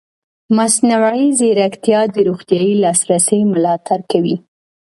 مصنوعي ځیرکتیا د روغتیايي لاسرسي ملاتړ کوي.